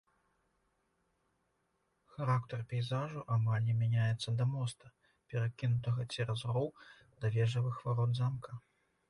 Характар пейзажу амаль не мяняецца да моста, перакінутага цераз роў да вежавых варот замка.